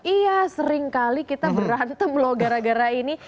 iya sering kali kita berantem loh gara gara ini